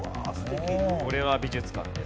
これは美術館です。